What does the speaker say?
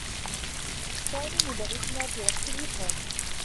سامي مدرّسنا في رقص الهيبهوب.